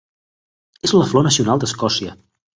És la flor nacional d'Escòcia.